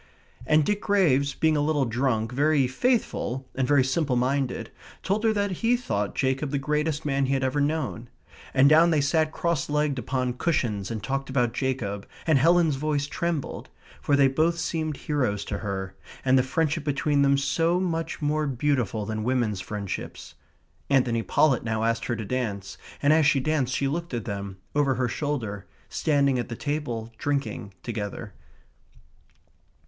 And Dick Graves, being a little drunk, very faithful, and very simple minded, told her that he thought Jacob the greatest man he had ever known. And down they sat cross legged upon cushions and talked about Jacob, and Helen's voice trembled, for they both seemed heroes to her, and the friendship between them so much more beautiful than women's friendships. Anthony Pollett now asked her to dance, and as she danced she looked at them, over her shoulder, standing at the table, drinking together.